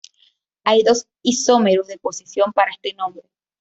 Hay dos isómeros de posición para este nombre.